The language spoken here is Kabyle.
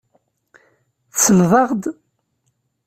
Tselleḍ-aɣ-d?